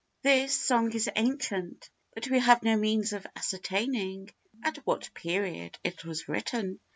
[THIS song is ancient, but we have no means of ascertaining at what period it was written.